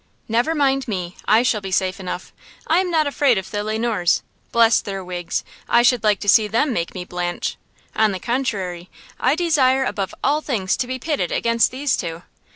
"Never mind me. I shall be safe enough! I am not afraid of the Le Noirs. Bless their wigs; I should like to see them make me blanch. On the contrary, I desire above all things to be pitted against these two!